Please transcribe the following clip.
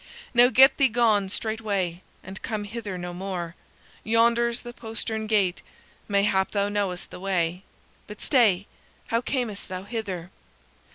Now get thee gone straightway, and come hither no more. Yonder is the postern gate; mayhap thou knowest the way. But stay! How camest thou hither?"